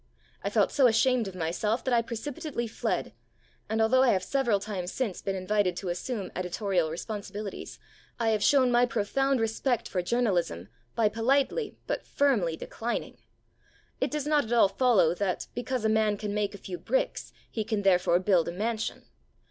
I felt so ashamed of myself that I precipitately fled, and, although I have several times since been invited to assume editorial responsibilities, I have shown my profound respect for journalism by politely but firmly declining. It does not at all follow that, because a man can make a few bricks, he can therefore build a mansion.